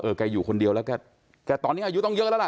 แกอยู่คนเดียวแล้วแกตอนนี้อายุต้องเยอะแล้วล่ะ